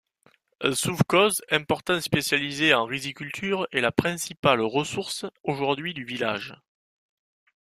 Un sovkhoze important spécialisé en riziculture est la principale ressource aujourd'hui du village.